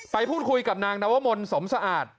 ไปพูดคุยกับนางนวมลสมสะอาด